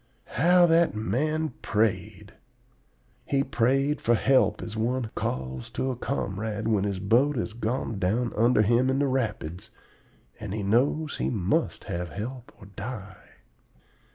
"How that man prayed! He prayed for help as one calls to a comrade when his boat has gone down under him in the rapids, and he knows he must have help or die.